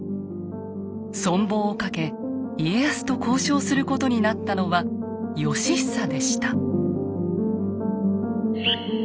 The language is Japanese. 存亡をかけ家康と交渉することになったのは義久でした。